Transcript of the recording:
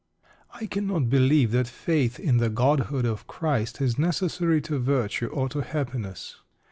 I cannot believe that faith in the Godhood of Christ is necessary to virtue or to happiness.